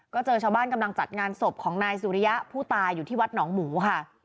ก็เจอชาวบ้านกำลังจัดงานศพของนายสุริยะผู้ตายอยู่ที่วัดหนองหมูค่ะ